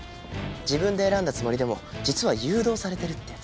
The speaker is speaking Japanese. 自分で選んだつもりでも実は誘導されてるってやつ。